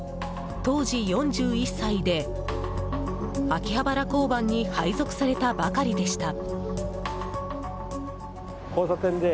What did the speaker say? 当時、４１歳で秋葉原交番に配属されたばかりでした。